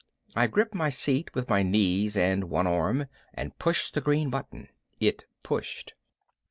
I gripped my seat with my knees and one arm and pushed the green button. It pushed.